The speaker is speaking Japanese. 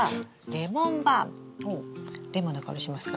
レモンの香りしますか？